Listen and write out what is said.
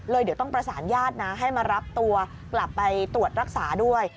เลยเดี๋ยวต้องประสานญาตินะให้มารับตัวกลับไปตรวจรักษาด้วย